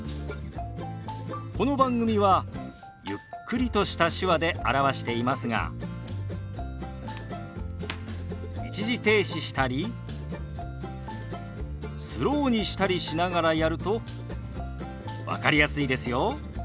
この番組はゆっくりとした手話で表していますが一時停止したりスローにしたりしながらやると分かりやすいですよ。